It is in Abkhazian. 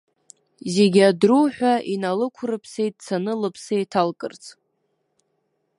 Зегьы адруҳәа иналықәрыԥсеит дцаны лыԥсы еиҭалкырц.